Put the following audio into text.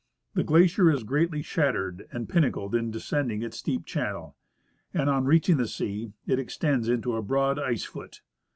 The glacier is greatly shattered and pinnacled in descending its steep channel, and on reaching the sea it expands into a broad ice foot.